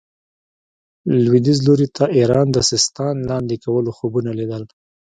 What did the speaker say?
لوېدیځ لوري ته ایران د سیستان لاندې کولو خوبونه لیدل.